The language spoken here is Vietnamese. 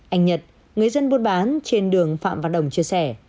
anh nhật người dân buôn bán trên đường phạm văn đồng chia sẻ